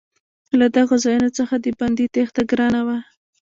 له دغو ځایونو څخه د بندي تېښته ګرانه وه.